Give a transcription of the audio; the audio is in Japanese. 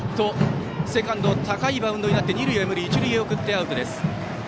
セカンド、高いバウンドになって一塁へ送ってアウトです。